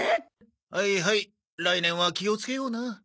はいはい来年は気をつけような。